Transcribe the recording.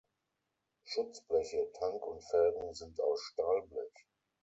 Schutzbleche, Tank und Felgen sind aus Stahlblech.